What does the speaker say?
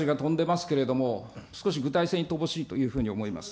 やじが飛んでますけれども、少し具体性に乏しいというふうに思います。